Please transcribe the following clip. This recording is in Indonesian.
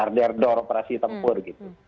karena operasi dar der dor operasi tempur gitu